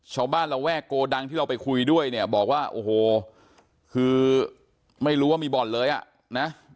ระแวกโกดังที่เราไปคุยด้วยเนี่ยบอกว่าโอ้โหคือไม่รู้ว่ามีบ่อนเลยอ่ะนะ